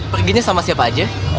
perginya sama siapa aja